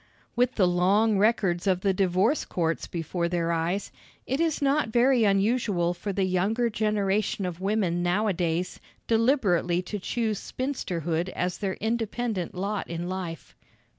With the long records of the divorce courts before their eyes, it is not very unusual for the younger generation of women nowadays deliberately to choose spinsterhood as their independent lot in life.